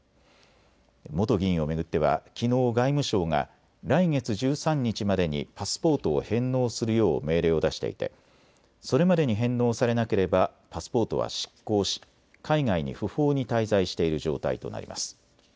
元議員を巡ってはきのう外務省が来月１３日までにパスポートを返納するよう命令を出していてそれまでに返納されなければパスポートは失効し海外に不法に滞在している状態となります。